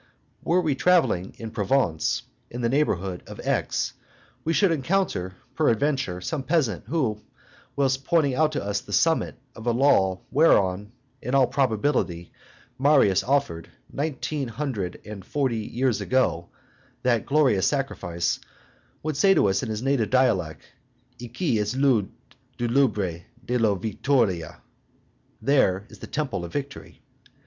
Were we travelling in Provence, in the neighborhood of Aix, we should encounter, peradventure, some peasant who, whilst pointing out to us the summit of a lull whereon, in all probability, Marius offered, nineteen hundred and forty years ago, that glorious sacrifice, would say to us in his native dialect, "Aqui es lou deloubre do la Vittoria:" "There is the temple of victory."